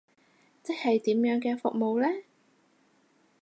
即係點樣嘅服務呢？